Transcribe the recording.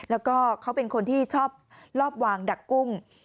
แล้วก็เขาเป็นคนที่ชอบลอบวางดักกุ้ง